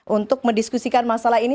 untuk mendiskusikan masalah ini